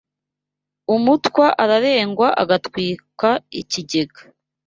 Umutwa ararengwa agatwika ikigega